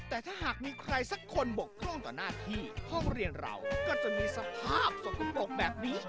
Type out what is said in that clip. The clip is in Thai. แต่ถ้าหากมีใครสักคนบกพร่องต่อหน้าที่ห้องเรียนเราก็จะมีสภาพสกปรกแบบนี้